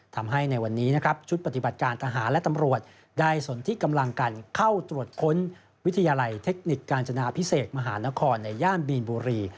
ทำให้ในวันนี้นะครับชุดปฏิบัติการทหารและตำรวจได้สนที่กำลังกันเข้าตรวจค้นวิทยาลัยเทคนิคกาญจนาพิเศษมหานครในย่านมีนบุรี